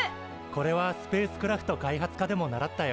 これはスペースクラフト開発科でも習ったよ。